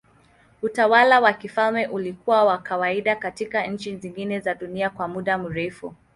Utawala wa kifalme ulikuwa wa kawaida katika nchi nyingi za dunia kwa muda mrefu.